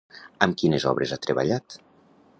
Amb quines obres ha treballat?